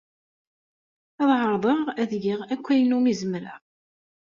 Ad ɛerḍeɣ ad geɣ akk ayen umi zemreɣ.